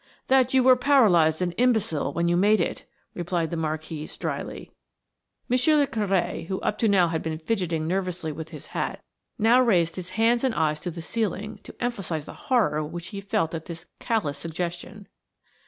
"That you were paralysed and imbecile when you made it," replied the Marquise, dryly. Monsieur le Curé, who up to now had been fidgeting nervously with his hat, now raised his hands and eyes up to the ceiling to emphasise the horror which he felt at this callous suggestion.